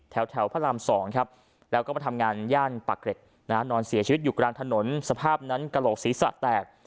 แถวพระราม๒ครับแล้วก็มาทำงานย่านปากเกร็ดนะฮะนอนเสียชีวิตอยู่กลางถนนสภาพนั้นกระโหลกศีรษะแตก